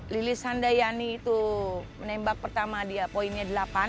lili sandayani itu menembak pertama dia poinnya delapan